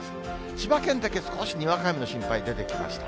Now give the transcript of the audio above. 千葉県だけ少しにわか雨の心配出てきました。